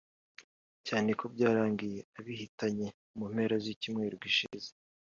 cyane ko byarangiye ibahitanye mu mpera z’icyumweru gishize